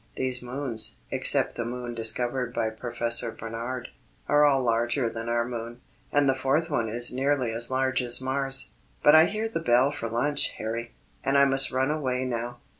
These moons, except the moon discovered by Professor Barnard, are all larger than our moon, and the fourth one is nearly as large as Mars. But I hear the bell for lunch, Harry, and I must run away now.